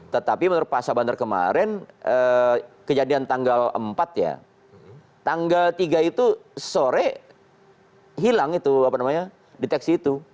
tetapi menurut pak sabandar kemarin kejadian tanggal empat ya tanggal tiga itu sore hilang itu apa namanya deteksi itu